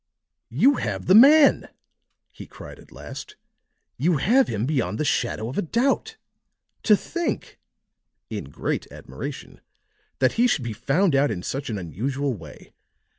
"You have the man!" he cried at last. "You have him beyond the shadow of a doubt! To think," in great admiration, "that he should be found out in such an unusual way.